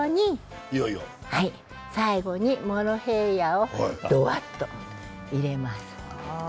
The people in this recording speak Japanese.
モロヘイヤをどばっと入れます。